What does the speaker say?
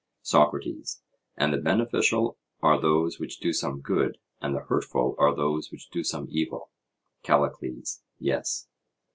SOCRATES: And the beneficial are those which do some good, and the hurtful are those which do some evil? CALLICLES: Yes.